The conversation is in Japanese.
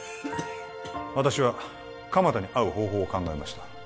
私は鎌田に会う方法を考えました